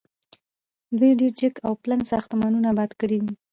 دوی ډیر جګ او پلن ساختمانونه اباد کړي دي.